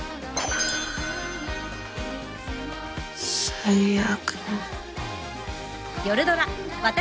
最悪。